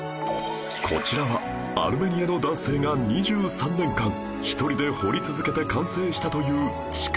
こちらはアルメニアの男性が２３年間１人で掘り続けて完成したという地下迷宮